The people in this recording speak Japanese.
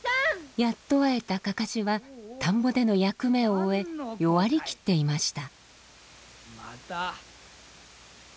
やっと会えたかかしは田んぼでの役目を終え弱り切っていました。